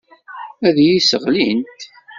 Ad iyi-sseɣlint.